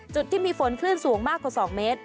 จุดที่มีฝนคลื่นสูงมากกว่า๒เมตร